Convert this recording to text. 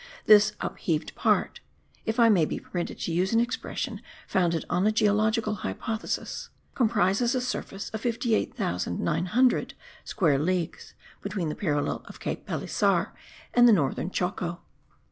This upheaved part (if I may be permitted to use an expression founded on a geological hypothesis) comprises a surface of 58,900 square leagues, between the parallel of Cape Pilesar and the northern Choco.